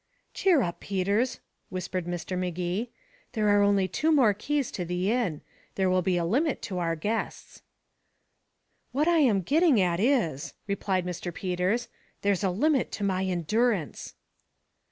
"Cheer up, Peters," whispered Mr. Magee. "There are only two more keys to the inn. There will be a limit to our guests." "What I'm getting at is," replied Mr. Peters, "there's a limit to my endurance."